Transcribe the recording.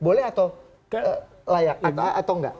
boleh atau layak atau enggak